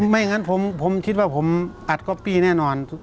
ไม่งั้นผมคิดว่าผมอัดก๊อปปี้แน่นอน